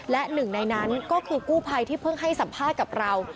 และหนึ่งในนั้นก็คือกู้ภัยที่เพิ่งให้สัมภาษณ์กับเรา